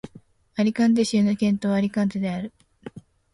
アリカンテ県の県都はアリカンテである